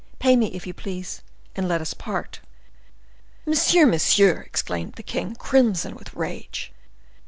Pay me, if you please, and let us part.'" "Monsieur! monsieur!" exclaimed the king, crimson with rage.